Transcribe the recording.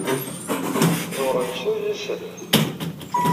Ẓewren deg sin yid-sen.